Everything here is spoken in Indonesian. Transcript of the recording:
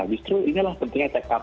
justru inilah pentingnya take up